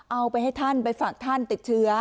เอาไปให้ท่านไปฝากท่านติดเชื้อ